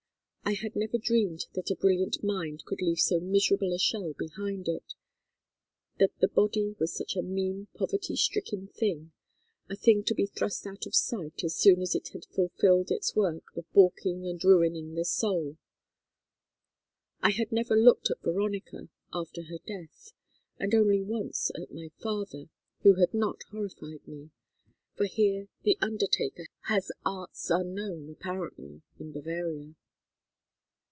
I had never dreamed that a brilliant mind could leave so miserable a shell behind it, that the body was such a mean poverty stricken thing, a thing to be thrust out of sight as soon as it had fulfilled its work of balking and ruining the soul. I had never looked at Veronica after her death, and only once at my father, who had not horrified me, for here the undertaker has arts unknown, apparently, in Bavaria.